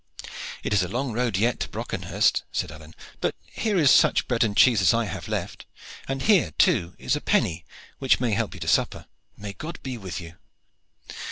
"It is a long road yet to Brockenhurst," said Alleyne; "but here is such bread and cheese as I have left, and here, too, is a penny which may help you to supper. May God be with you!"